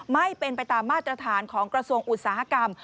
ไม่เป็นไปตามมาตรฐานของกระทรวงอุตสาหกรรม